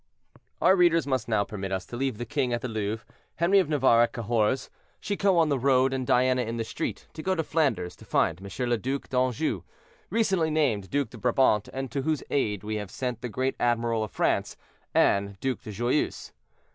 Our readers must now permit us to leave the king at the Louvre, Henri of Navarre at Cahors, Chicot on the road, and Diana in the street, to go to Flanders to find M. le Duc d'Anjou, recently named Duc de Brabant, and to whose aid we have sent the great admiral of France—Anne, duc de Joyeuse.